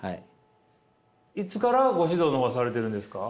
いつからご指導の方はされているんですか？